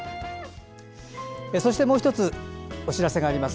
そしてもう１つお知らせです。